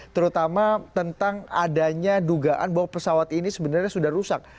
terutama tentang adanya dugaan bahwa pesawat ini sebenarnya sudah rusak